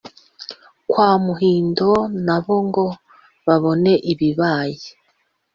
kwa muhindo na bo ngo babone ibibaye